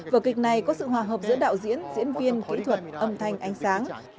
vở kịch này có sự hòa hợp giữa đạo diễn diễn viên kỹ thuật âm thanh ánh sáng